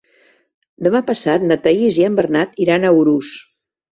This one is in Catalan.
Demà passat na Thaís i en Bernat iran a Urús.